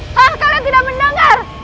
apa kalian semua tidak mendengar